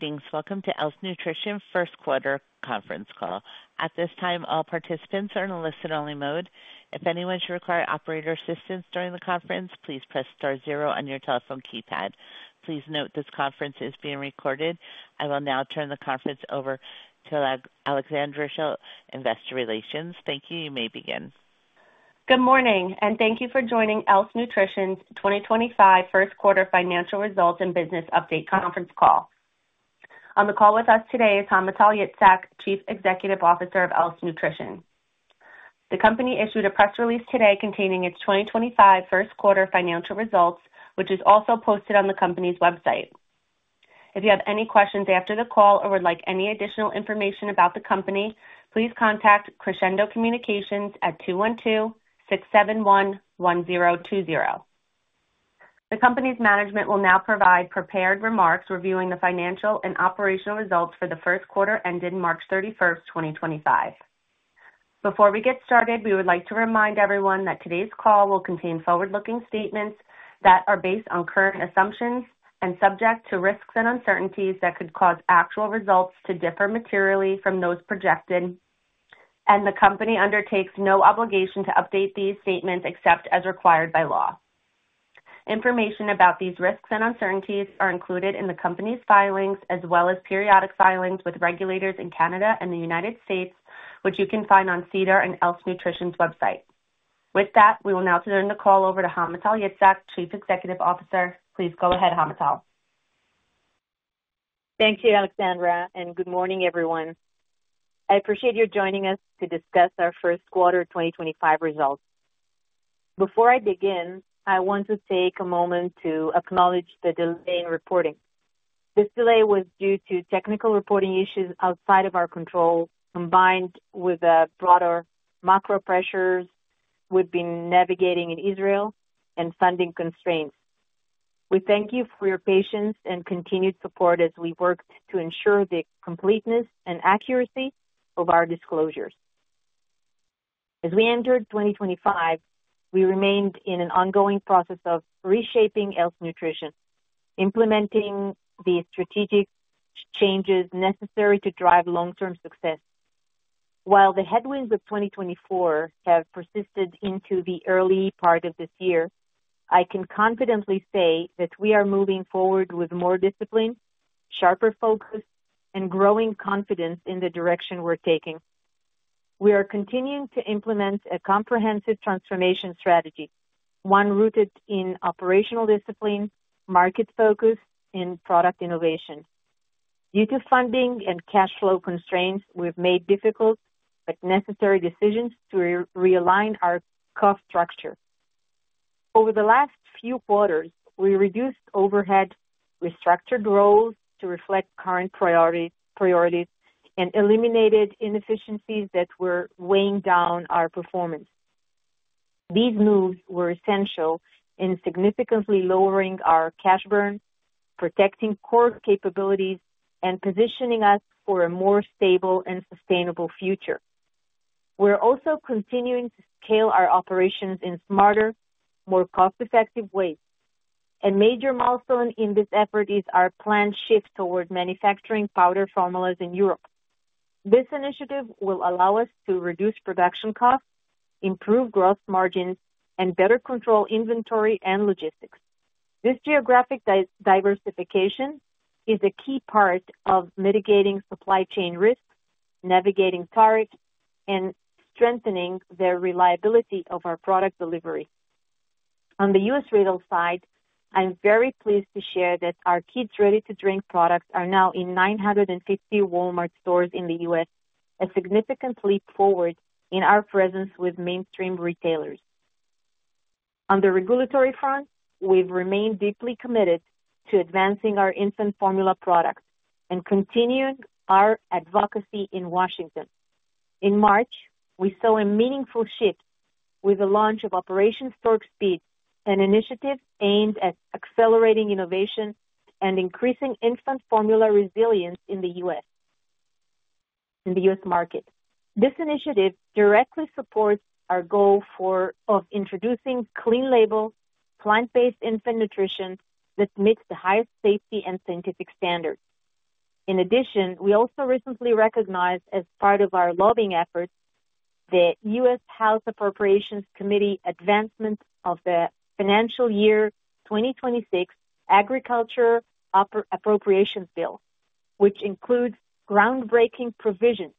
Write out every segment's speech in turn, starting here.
Thanks. Welcome to Else Nutrition First Quarter Conference Call. At this time, all participants are in a listen-only mode. If anyone should require operator assistance during the conference, please press star zero on your telephone keypad. Please note this conference is being recorded. I will now turn the conference over to Alexandra Schilt Investor Relations. Thank you. You may begin. Good morning, and thank you for joining Else Nutrition's 2025 first quarter financial results and business update conference call. On the call with us today is Hamutal Yitzhak, Chief Executive Officer of Else Nutrition. The company issued a press release today containing its 2025 First Quarter Financial Results, which is also posted on the company's website. If you have any questions after the call or would like any additional information about the company, please contact Crescendo Communications at 212-671-1020. The company's management will now provide prepared remarks reviewing the financial and operational results for the first quarter ending March 31, 2025. Before we get started, we would like to remind everyone that today's call will contain forward-looking statements that are based on current assumptions and subject to risks and uncertainties that could cause actual results to differ materially from those projected, and the company undertakes no obligation to update these statements except as required by law. Information about these risks and uncertainties are included in the company's filings as well as periodic filings with regulators in Canada and the United States, which you can find on SEDAR and Else Nutrition's website. With that, we will now turn the call over to Hamutal Yitzhak, Chief Executive Officer. Please go ahead, Hamutal. Thank you, Alexandra, and good morning, everyone. I appreciate you joining us to discuss our First Quarter 2025 Results. Before I begin, I want to take a moment to acknowledge the delay in reporting. This delay was due to technical reporting issues outside of our control, combined with broader macro pressures we've been navigating in Israel and funding constraints. We thank you for your patience and continued support as we worked to ensure the completeness and accuracy of our disclosures. As we entered 2025, we remained in an ongoing process of reshaping Else Nutrition, implementing the strategic changes necessary to drive long-term success. While the headwinds of 2024 have persisted into the early part of this year, I can confidently say that we are moving forward with more discipline, sharper focus, and growing confidence in the direction we're taking. We are continuing to implement a comprehensive transformation strategy, one rooted in operational discipline, market focus, and product innovation. Due to funding and cash flow constraints, we've made difficult but necessary decisions to realign our cost structure. Over the last few quarters, we reduced overhead, restructured roles to reflect current priorities, and eliminated inefficiencies that were weighing down our performance. These moves were essential in significantly lowering our cash burn, protecting core capabilities, and positioning us for a more stable and sustainable future. We're also continuing to scale our operations in smarter, more cost-effective ways. A major milestone in this effort is our planned shift toward manufacturing powder formulas in Europe. This initiative will allow us to reduce production costs, improve gross margins, and better control inventory and logistics. This geographic diversification is a key part of mitigating supply chain risks, navigating tariffs, and strengthening the reliability of our product delivery. On the U.S. retail side, I'm very pleased to share that our Kids Ready-to-Drink Shakes are now in 950 Walmart stores in the U.S., a significant leap forward in our presence with mainstream retailers. On the regulatory front, we've remained deeply committed to advancing our infant formula products and continuing our advocacy in Washington. In March, we saw a meaningful shift with the launch of Operation Stork Speed, an initiative aimed at accelerating innovation and increasing infant formula resilience in the U.S. market. This initiative directly supports our goal of introducing clean-label, plant-based infant nutrition that meets the highest safety and scientific standards. In addition, we also recently recognized, as part of our lobbying efforts, the U.S. Health Appropriations Committee's advancement of the financial year 2026 Agriculture Appropriations Bill, which includes groundbreaking provisions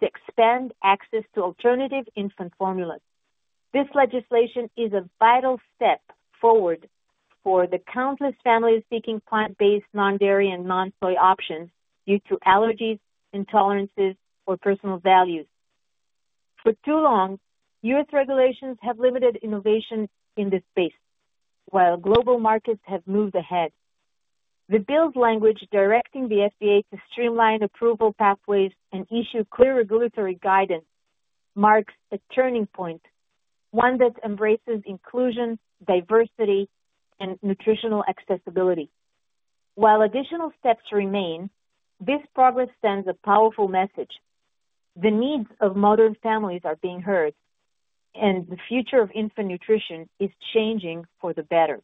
to expand access to alternative infant formulas. This legislation is a vital step forward for the countless families seeking plant-based, non-dairy, and non-soy options due to allergies, intolerances, or personal values. For too long, U.S. regulations have limited innovation in this space, while global markets have moved ahead. The bill's language directing the FDA to streamline approval pathways and issue clear regulatory guidance marks a turning point, one that embraces inclusion, diversity, and nutritional accessibility. While additional steps remain, this progress sends a powerful message: the needs of modern families are being heard, and the future of infant nutrition is changing for the better.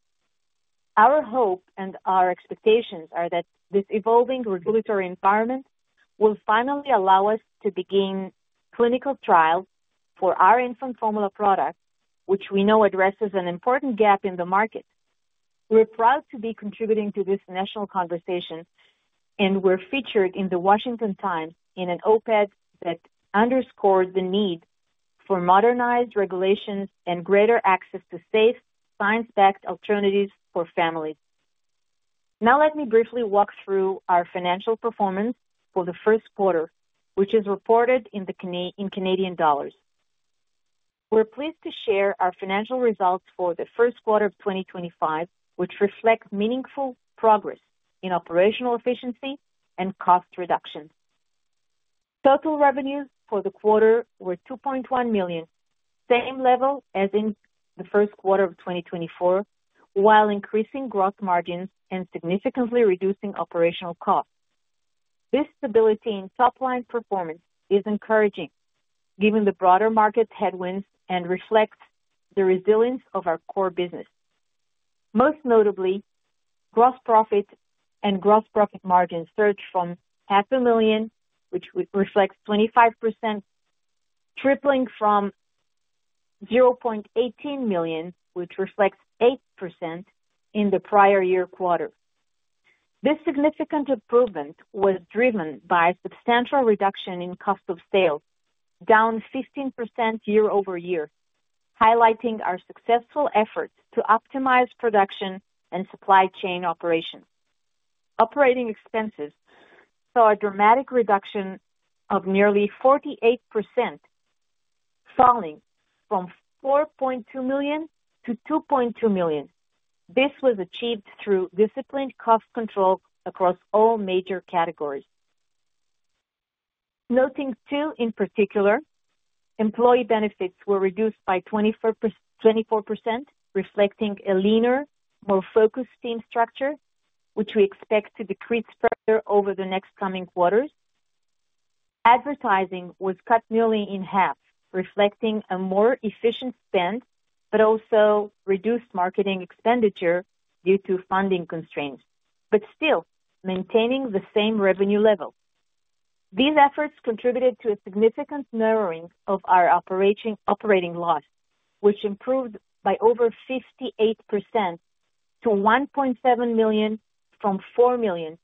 Our hope and our expectations are that this evolving regulatory environment will finally allow us to begin clinical trials for our infant formula products, which we know address an important gap in the market. We're proud to be contributing to this national conversation, and we're featured in the Washington Times in an op-ed that underscored the need for modernized regulations and greater access to safe, science-backed alternatives for families. Now, let me briefly walk through our financial performance for the first quarter, which is reported in Canadian dollars. We're pleased to share our Financial Results for the First Quarter of 2025, which reflect meaningful progress in operational efficiency and cost reduction. Total revenues for the quarter were $2.1 million, same level as in the first quarter of 2024, while increasing gross margins and significantly reducing operational costs. This stability in top-line performance is encouraging, given the broader market headwinds, and reflects the resilience of our core business. Most notably, gross profit and gross profit margins surged from half a million, which reflects 25%, tripling from $0.18 million, which reflects 8% in the prior year quarter. This significant improvement was driven by a substantial reduction in cost of sales, down 15% year-over-year, highlighting our successful efforts to optimize production and supply chain operations. Operating expenses saw a dramatic reduction of nearly 48%, falling from $4.2 million to $2.2 million. This was achieved through disciplined cost control across all major categories. Noting two in particular, employee benefits were reduced by 24%, reflecting a leaner, more focused team structure, which we expect to decrease further over the next coming quarters. Advertising was cut nearly in half, reflecting a more efficient spend but also reduced marketing expenditure due to funding constraints, but still maintaining the same revenue level. These efforts contributed to a significant narrowing of our operating loss, which improved by over 58% to $1.7 million from $4 million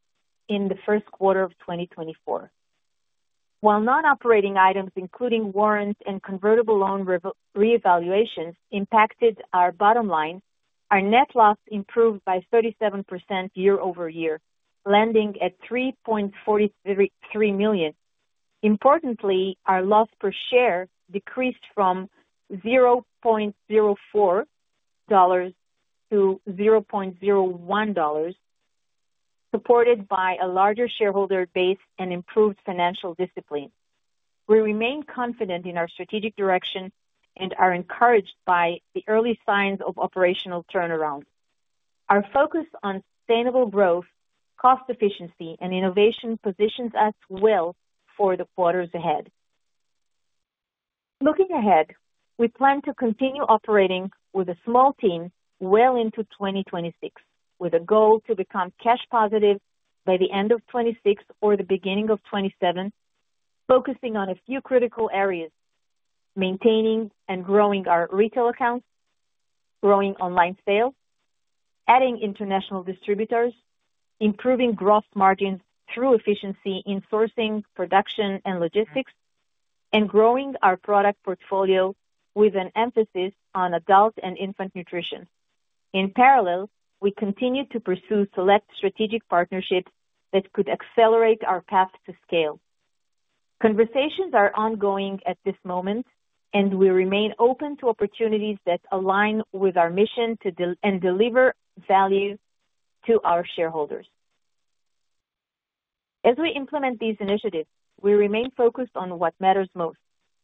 in the first quarter of 2024. While non-operating items, including warrants and convertible loan reevaluations, impacted our bottom line, our net loss improved by 37% year-over-year, landing at $3.43 million. Importantly, our loss per share decreased from $0.04 to $0.01, supported by a larger shareholder base and improved financial discipline. We remain confident in our strategic direction and are encouraged by the early signs of operational turnaround. Our focus on sustainable growth, cost efficiency, and innovation positions us well for the quarters ahead. Looking ahead, we plan to continue operating with a small team well into 2026, with a goal to become cash positive by the end of 2026 or the beginning of 2027, focusing on a few critical areas: maintaining and growing our retail accounts, growing online sales, adding international distributors, improving gross margins through efficiency in sourcing, production, and logistics, and growing our product portfolio with an emphasis on adult and infant nutrition. In parallel, we continue to pursue select strategic partnerships that could accelerate our path to scale. Conversations are ongoing at this moment, and we remain open to opportunities that align with our mission to deliver value to our shareholders. As we implement these initiatives, we remain focused on what matters most: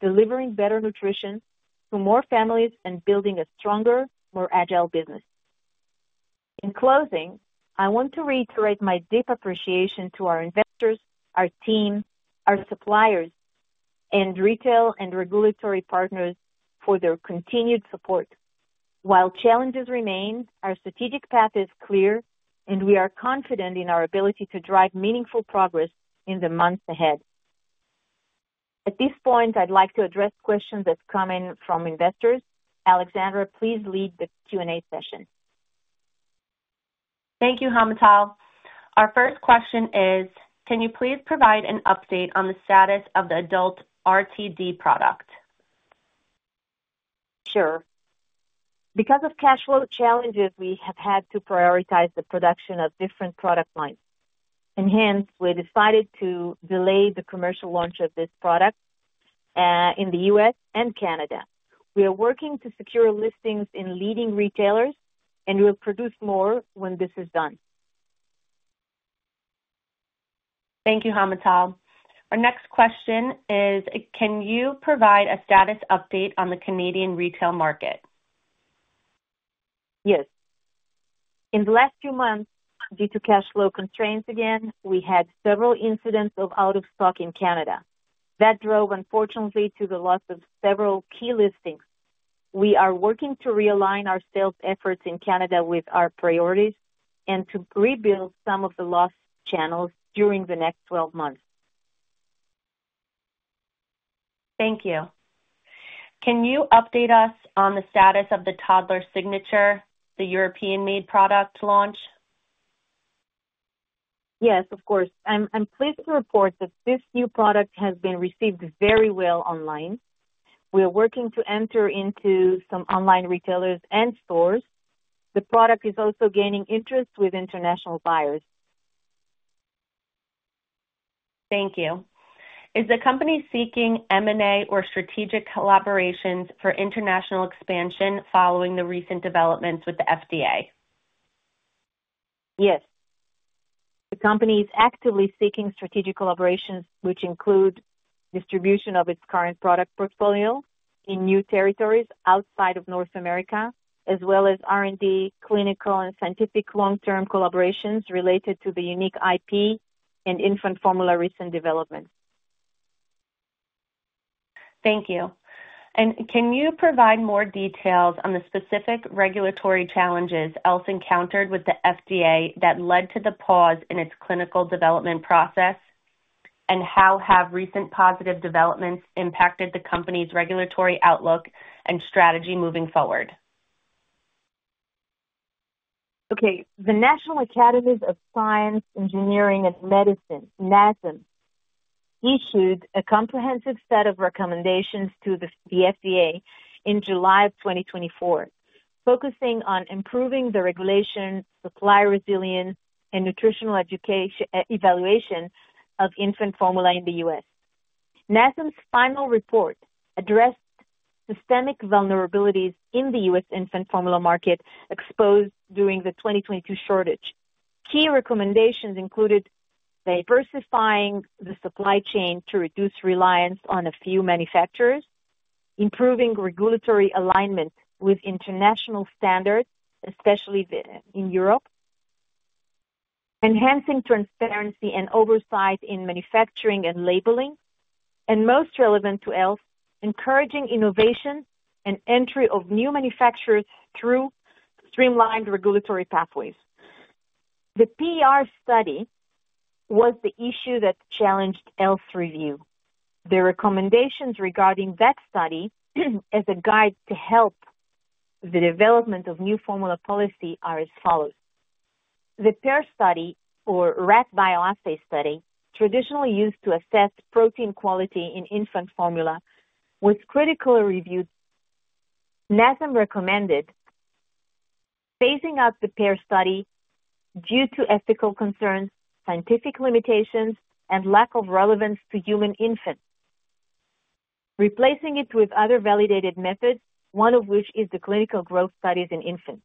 delivering better nutrition to more families and building a stronger, more agile business. In closing, I want to reiterate my deep appreciation to our investors, our team, our suppliers, and retail and regulatory partners for their continued support. While challenges remain, our strategic path is clear, and we are confident in our ability to drive meaningful progress in the months ahead. At this point, I'd like to address questions that come in from investors. Alexandra, please lead the Q&A session. Thank you, Hamutal. Our first question is, can you please provide an update on the status of the Adult RTD Product? Sure. Because of cash flow challenges, we have had to prioritize the production of different product lines. Hence, we decided to delay the commercial launch of this product in the U.S. and Canada. We are working to secure listings in leading retailers, and we'll produce more when this is done. Thank you, Hamutal. Our next question is, can you provide a status update on the Canadian retail market? Yes. In the last few months, due to cash flow constraints again, we had several incidents of out-of-stock in Canada. That drove, unfortunately, to the loss of several key listings. We are working to realign our sales efforts in Canada with our priorities and to rebuild some of the lost channels during the next 12 months. Thank you. Can you update us on the status of the toddler signature, the European-made product launch? Yes, of course. I'm pleased to report that this new product has been received very well online. We are working to enter into some online retailers and stores. The product is also gaining interest with international buyers. Thank you. Is the company seeking M&A or strategic collaborations for international expansion following the recent developments with the FDA? Yes. The company is actively seeking strategic collaborations, which include distribution of its current product portfolio in new territories outside of North America, as well as R&D, clinical, and scientific long-term collaborations related to the unique IP and infant formula recent developments. Thank you. Can you provide more details on the specific regulatory challenges Else encountered with the FDA that led to the pause in its clinical development process, and how have recent positive developments impacted the company's regulatory outlook and strategy moving forward? Okay. The National Academies of Science, Engineering, and Medicine, NASEM, issued a comprehensive set of recommendations to the FDA in July of 2024, focusing on improving the regulation, supply resilience, and nutritional education evaluation of infant formula in the U.S. NASEM's final report addressed systemic vulnerabilities in the U.S. infant formula market exposed during the 2022 shortage. Key recommendations included diversifying the supply chain to reduce reliance on a few manufacturers, improving regulatory alignment with international standards, especially in Europe, enhancing transparency and oversight in manufacturing and labeling, and most relevant to Else, encouraging innovation and entry of new manufacturers through streamlined regulatory pathways. The PER study was the issue that challenged Else's review. The recommendations regarding that study as a guide to help the development of new formula policy are as follows. The PER study, or RAS Bioassay study, traditionally used to assess protein quality in infant formula, was critically reviewed. NASEM recommended phasing out the PER study due to ethical concerns, scientific limitations, and lack of relevance to human infants, replacing it with other validated methods, one of which is the clinical growth studies in infants.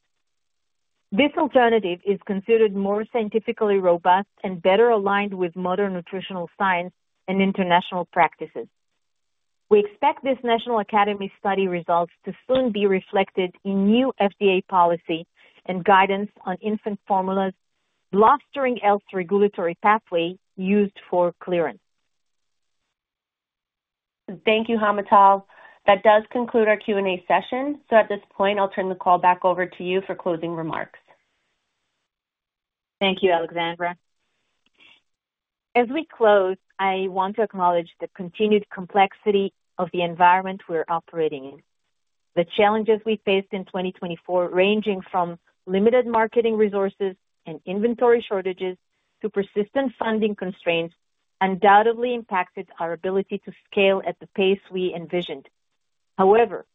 This alternative is considered more scientifically robust and better aligned with modern nutritional science and international practices. We expect this National Academy study results to soon be reflected in new FDA policy and guidance on infant formulas, bolstering Else's regulatory pathway used for clearance. Thank you, Hamutal. That does conclude our Q&A session. At this point, I'll turn the call back over to you for closing remarks. Thank you, Alexandra. As we close, I want to acknowledge the continued complexity of the environment we're operating in. The challenges we faced in 2024, ranging from limited marketing resources and inventory shortages to persistent funding constraints, undoubtedly impacted our ability to scale at the pace we envisioned. However,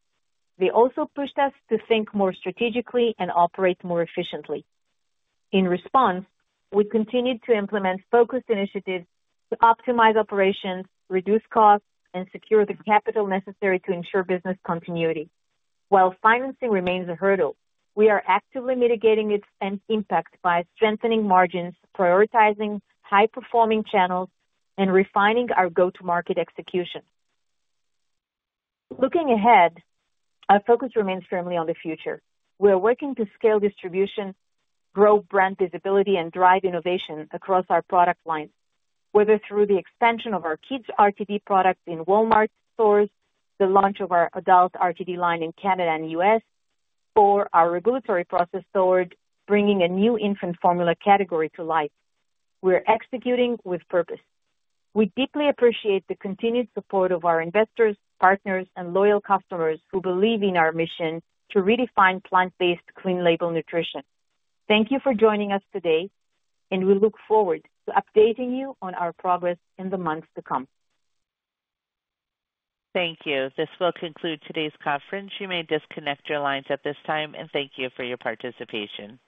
they also pushed us to think more strategically and operate more efficiently. In response, we continued to implement focused initiatives to optimize operations, reduce costs, and secure the capital necessary to ensure business continuity. While financing remains a hurdle, we are actively mitigating its impact by strengthening margins, prioritizing high-performing channels, and refining our go-to-market execution. Looking ahead, our focus remains firmly on the future. Thank you. This will conclude today's conference. You may disconnect your lines at this time, and thank you for your participation.